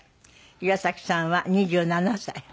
岩崎さんは２７歳。